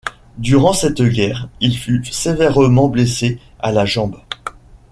Durant cette guerre il fut sévèrement blessé à la jambe.